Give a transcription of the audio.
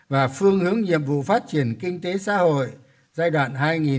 và phương hướng nhiệm vụ phát triển kinh tế xã hội giai đoạn hai nghìn hai mươi một hai nghìn hai mươi năm